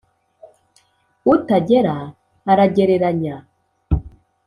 Utagera aragereranya.